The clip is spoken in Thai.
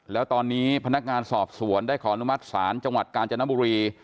แล้วตอนนี้พนักงานสอบสวนได้ขออนุมัติศาลจังหวัดกาญจนบุรี